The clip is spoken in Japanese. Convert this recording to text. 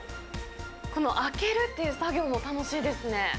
この開けるっていう作業も楽しいですね。